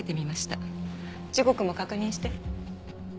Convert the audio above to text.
時刻も確認して。